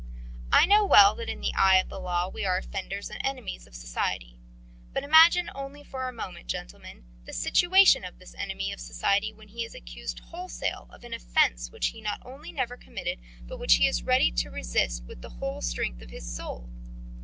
I know well that in the eye of the law we are offenders and enemies of society. But imagine only for a moment, gentlemen, the situation of this enemy of society when he is accused wholesale of an offence which he not only never committed, but which he is ready to resist with the whole strength of his soul.